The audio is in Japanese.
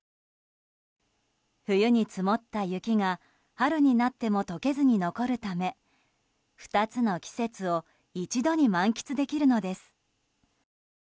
冬に積もった雪が春になっても解けずに残るため２つの季節を一度に満喫できるのです。